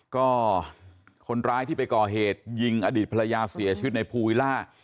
ก็คนร้ายที่ไปก่อเหตุยิงอดีตภรรยาเสียชีวิตในภูวิล่า